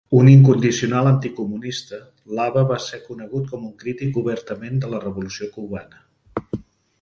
Un incondicional anticomunista, lava va ser conegut com un crític obertament de la revolució cubana.